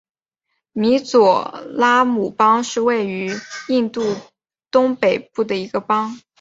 米佐拉姆邦是位于印度东北部的一个邦。